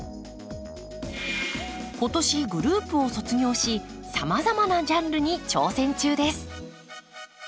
今年グループを卒業しさまざまなジャンルに挑戦中です。